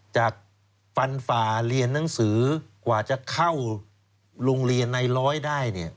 จากฟันฝ่าเรียนหนังสือกว่าจะเข้าโรงเรียนในร้อยได้